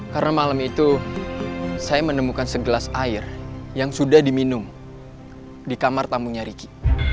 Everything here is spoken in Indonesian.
karena malam itu saya menemukan segelas air yang sudah diminum di kamar tamunya riki